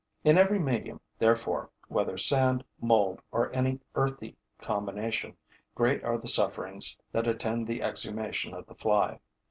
In every medium, therefore, whether sand, mould or any earthy combination, great are the sufferings that attend the exhumation of the fly.